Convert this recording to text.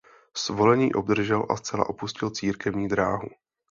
Svolení obdržel a zcela opustil církevní dráhu.